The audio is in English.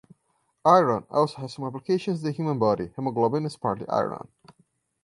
Iron also has some applications in the human body; hemoglobin is partly iron.